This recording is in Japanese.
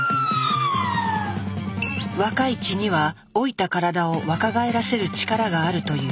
若い血には老いた体を若返らせる力があるという。